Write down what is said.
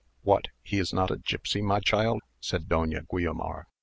"What! he is not a gipsy, my child?" said Doña Guiomar.